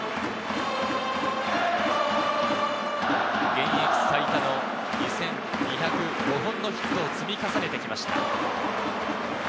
現役最多の２２０５本のヒットを積み重ねてきました。